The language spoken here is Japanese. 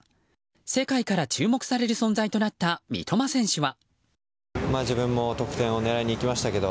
世界から注目される存在となった三笘選手は。